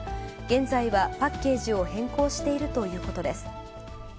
現在はパッケージを変更しているということです。